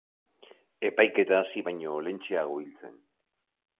Epaiketa hasi baino lehentxeago hil zen.